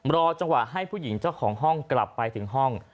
รอจังหวะให้ผู้หญิงเจ้าของห้องกลับไปถึงห้อง